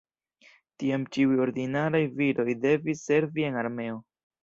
Tiam ĉiuj ordinaraj viroj devis servi en armeo.